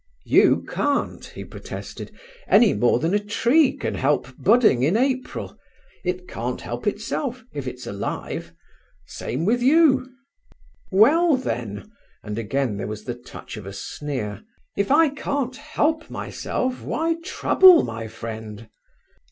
"You can't, he protested, "any more than a tree can help budding in April—it can't help itself, if it's alive; same with you." "Well, then"—and again there was the touch of a sneer—"if I can't help myself, why trouble, my friend?"